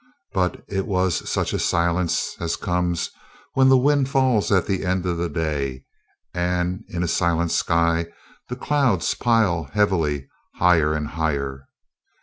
But it was such a silence as comes when the wind falls at the end of a day and in a silent sky the clouds pile heavily, higher and higher.